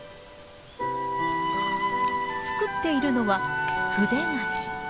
作っているのは筆柿。